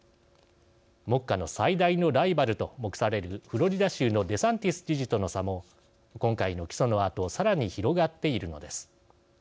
目下の最大のライバルと目されるフロリダ州のデサンティス知事との差も今回の起訴のあとさらに広がっているのです。